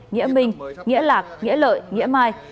nghĩa minh nghĩa lạc nghĩa lợi nghĩa mai